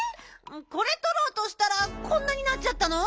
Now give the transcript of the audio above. これとろうとしたらこんなになっちゃったの？